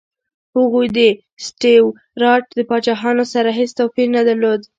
هغوی د سټیوراټ پاچاهانو سره هېڅ توپیر نه درلود.